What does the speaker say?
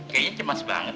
kayaknya cemas banget